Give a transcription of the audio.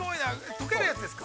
溶けるやつですか。